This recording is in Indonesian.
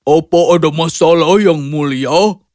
apakah ada masalah yang mulia